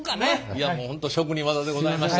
いやもう本当職人技でございました。